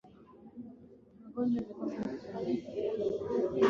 Ikijumuisha Tanganyika pamoja na Rwanda na Burundi